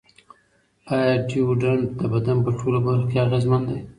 ایا ډیوډرنټ د بدن په ټولو برخو کې اغېزمن دی؟